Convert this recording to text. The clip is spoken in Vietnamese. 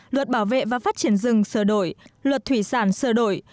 luật bảo vệ và phát triển rừng sờ đổi luật thủy sản sờ đổi